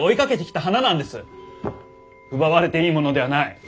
奪われていいものではない。